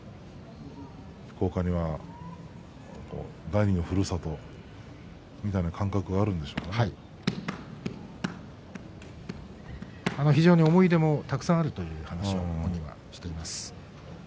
福岡には第二のふるさとみたいな非常に思い出もたくさんあるということを本人は話しています。